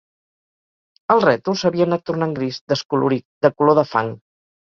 El rètol, s'havia anat tornant gris, descolorit, de color de fang